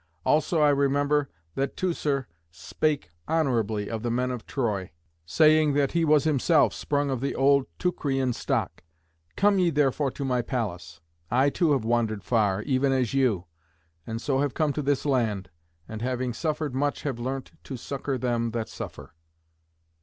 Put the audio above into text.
Also I remember that Teucer spake honourably of the men of Troy, saying that he was himself sprung of the old Teucrian stock. Come ye, therefore, to my palace. I too have wandered far, even as you, and so have come to this land, and having suffered much have learnt to succour them that suffer."